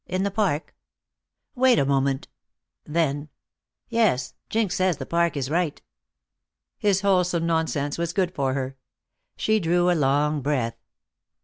"In the park?" "Wait a moment." Then: "Yes, Jinx says the park is right." His wholesome nonsense was good for her. She drew a long breath.